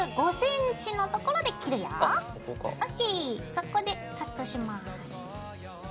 そこでカットします。